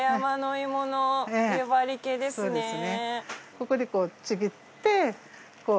ここでこうちぎってこう。